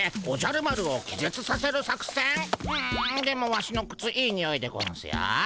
んでもワシのくついいにおいでゴンスよ。